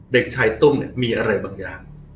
เด็กชายตุ้มเนี่ยมีอะไรบางอย่าง